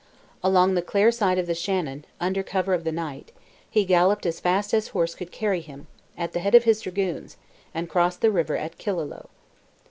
Along the Clare side of the Shannon, under cover of the night, he galloped as fast as horse could carry him, at the head of his dragoons, and crossed the river at Killaloe.